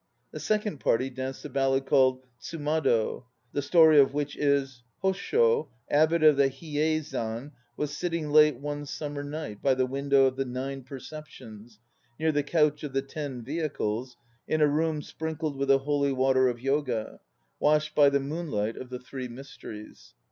The second patty danced the ballad called Tsumado, the story of which is: Hossho, Abbot of the Hiyeizan, was sitting late one summer night by the Window of the Nine Perceptions, near the Couch of the Ten Vehicles, in a room sprinkled with the holy water of Yoga, washed by the moonlight of the Three Mysteries.